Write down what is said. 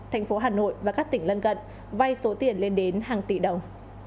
thành phố hà nội và các tỉnh lân cận vay số tiền lên đến hàng tỷ đồng